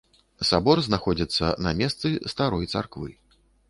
Сабор знаходзіцца на месцы старой царквы.